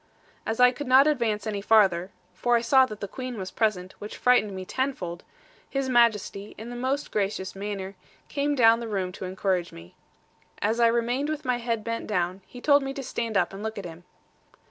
As I could not advance any farther for I saw that the Queen was present, which frightened me tenfold His Majesty, in the most gracious manner, came down the room to encourage me. And as I remained with my head bent down, he told me to stand up, and look at him.